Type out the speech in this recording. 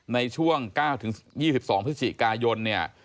ในช่วง๙๒๒พฤษิกายน